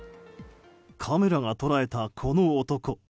カメラが捉えた、この男。